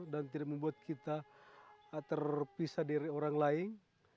dan tidak membuat kita terpisah dari orang lain